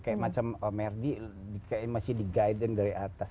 kayak macam merdi kayaknya masih di guidance dari atas